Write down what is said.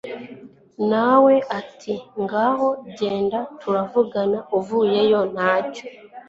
nawe ati ngaho genda turavugana uvuyeyo ntacyo